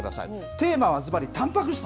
テーマはずばり、たんぱく質。